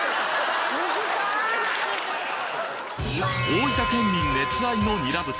大分県民熱愛のにら豚